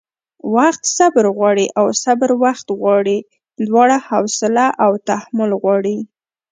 وخت صبر غواړي او صبر وخت غواړي؛ دواړه حوصله او تحمل غواړي